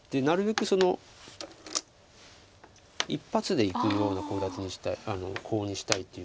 なるべく一発でいくようなコウ立てにしたい。